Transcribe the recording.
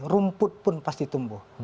rumput pun pasti tumbuh